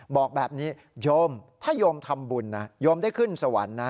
บอกแบบนี้โยมถ้าโยมทำบุญนะโยมได้ขึ้นสวรรค์นะ